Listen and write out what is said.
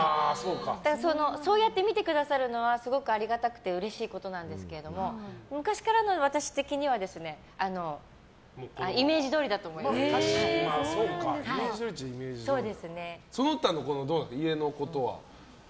そうやって見てくださるのはすごくありがたくてうれしいことなんですけど昔からの私的にはその他の家のことは？